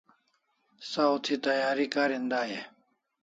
Saw thi tayari karin dai e?